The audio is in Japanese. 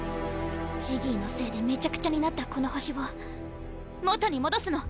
ジギーのせいでめちゃくちゃになったこの星を元に戻すの！